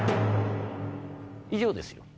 以上ですよ。